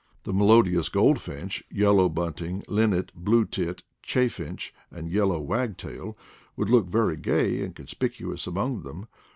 The melodious goldfinch, yellow bunt ing, linnet, blue tit, chaffinch, and yellow wagtail, would look very gay and conspicuous among them.